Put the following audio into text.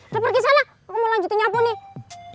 lah pergi sana aku mau lanjutin nyapu nih